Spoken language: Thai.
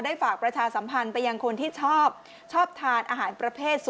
ฝากประชาสัมพันธ์ไปยังคนที่ชอบชอบทานอาหารประเภท